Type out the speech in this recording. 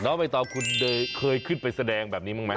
ใบตองคุณเคยขึ้นไปแสดงแบบนี้บ้างไหม